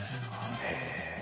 へえ。